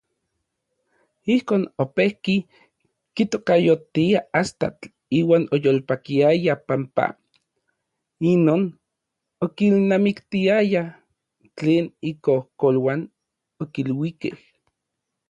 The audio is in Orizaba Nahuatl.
Ijkon, opejki kitokayotia Astatl uan oyolpakiaya panpa inon okilnamiktiaya tlen ikojkoluan okiluikej.